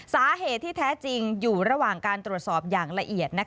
สาเหตุที่แท้จริงอยู่ระหว่างการตรวจสอบอย่างละเอียด